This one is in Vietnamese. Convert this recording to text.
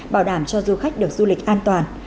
bảo đảm cho du khách được du lịch an toàn